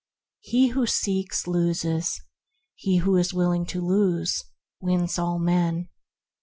He who seeks, loses; he who is willing to lose, wins all men.